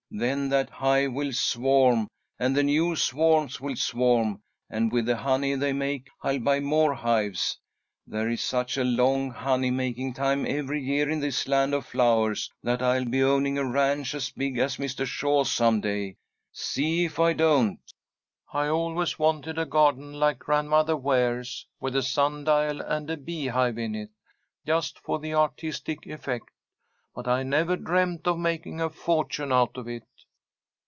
Then that hive will swarm, and the new swarms will swarm, and with the honey they make I'll buy more hives. There is such a long honey making time every year in this land of flowers, that I'll be owning a ranch as big as Mr. Shaw's some day, see if I don't! I always wanted a garden like Grandmother Ware's, with a sun dial and a beehive in it, just for the artistic effect, but I never dreamed of making a fortune out of it."